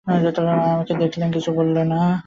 মা আমাকে দেখলেন, কিছুই বললেন না।